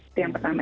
itu yang pertama